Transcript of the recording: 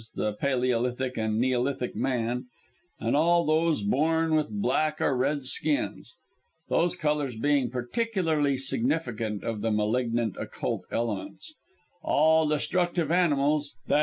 Paleolithic and Neolithic man and all those born with black or red skins (those colours being particularly significant of the malignant Occult Elements); all destructive animals; (_i.